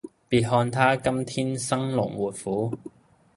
別看他今天生龍活虎